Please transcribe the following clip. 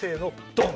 ドン！